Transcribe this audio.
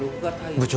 部長